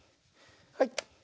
はい。